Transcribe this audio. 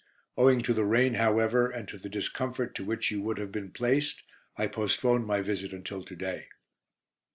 Owing to the rain, however, and to the discomfort to which you would have been placed, I postponed my visit until to day.